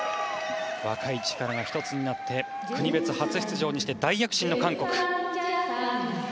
若い力が一つになって国別初出場にして大躍進の韓国。